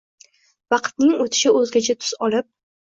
Vaqtning o‘tishi o‘zgacha tus olib